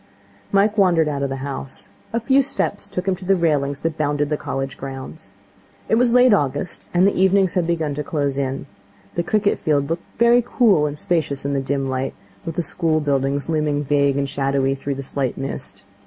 Mike wandered out of the house. A few steps took him to the railings that bounded the College grounds. It was late August, and the evenings had begun to close in. The cricket field looked very cool and spacious in the dim light, with the school buildings looming vague and shadowy through the slight mist.